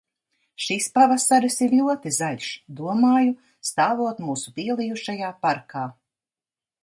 Šis pavasaris ir ļoti zaļš, domāju, stāvot mūsu pielijušajā parkā.